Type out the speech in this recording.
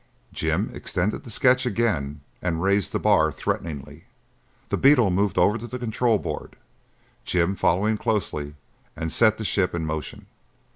Jim extended the sketch again and raised the bar threateningly. The beetle moved over to the control board, Jim following closely, and set the ship in motion.